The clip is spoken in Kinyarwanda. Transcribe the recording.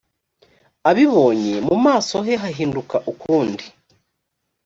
abibonye mu maso he hahinduka ukundi